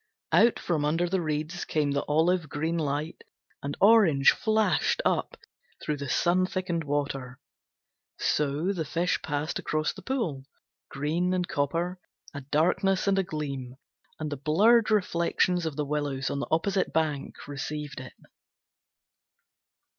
Out from under the reeds Came the olive green light, And orange flashed up Through the sun thickened water. So the fish passed across the pool, Green and copper, A darkness and a gleam, And the blurred reflections of the willows on the opposite bank Received it.